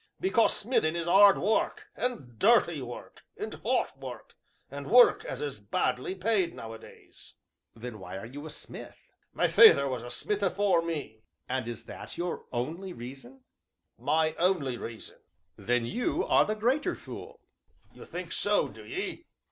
"Because smithin' is 'ard work, and dirty work, and hot work, and work as is badly paid nowadays." "Then why are you a smith?" "My feyther was a smith afore me." "And is that your only reason?" "My only reason." "Then you are the greater fool." "You think so, do ye?"